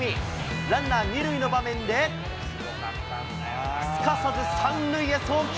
ランナー２塁の場面で、すかさず３塁へ送球。